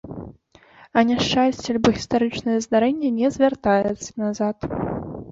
А няшчасце альбо гістарычнае здарэнне не звяртаецца назад.